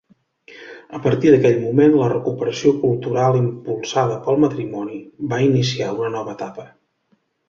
A partir d'aquell moment la recuperació cultural impulsada pel matrimoni va iniciar una nova etapa.